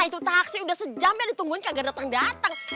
itu taksi udah sejam ya ditungguin kagak datang datang